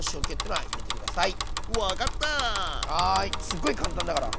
すっごい簡単だから。